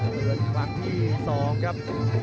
เตือนขวางที่สองครับ